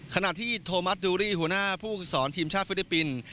ขณะที่โทมัสดูรี่หัวหน้าผู้ฝึกสอนทีมชาติฟิลิปปินส์